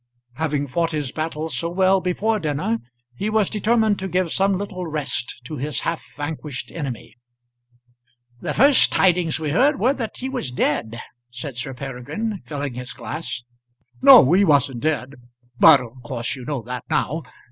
Having fought his battle so well before dinner, he was determined to give some little rest to his half vanquished enemy. "The first tidings we heard were that he was dead," said Sir Peregrine, filling his glass. "No; he wasn't dead. But of course you know that now.